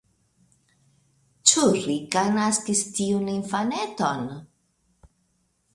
Ĉu Rika naskis tiun infaneton?